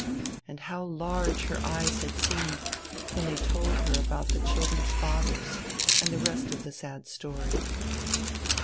And how large her eyes had seemed when they told her about the children's fathers and the rest of the sad story!